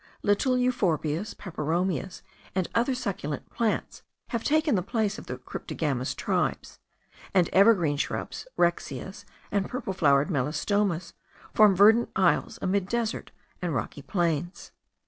Little euphorbias, peperomias, and other succulent plants, have taken the place of the cryptogamous tribes; and evergreen shrubs, rhexias, and purple flowered melastomas, form verdant isles amid desert and rocky plains.